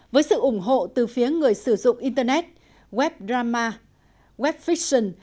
với sự ủng hộ từ phía người sử dụng internet web drama web fition